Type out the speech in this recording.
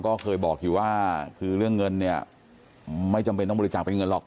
ก็เคยบอกอยู่ว่าคือเรื่องเงินเนี่ยไม่จำเป็นต้องบริจาคเป็นเงินหรอก